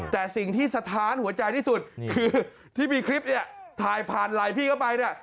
แต่สิ่งที่สะท้านหัวใจที่สุดคือที่มีคลิปเนี่ยถ่ายผ่านไลน์พี่เข้าไปเนี่ย